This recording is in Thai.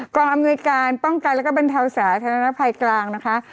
อำนวยการป้องกันแล้วก็บรรเทาสาธารณภัยกลางนะคะ